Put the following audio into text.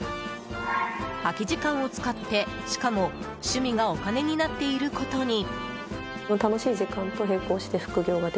空き時間を使ってしかも趣味がお金になっていることに。